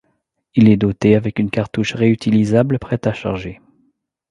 Il est doté avec une cartouche réutilisable prête à charger.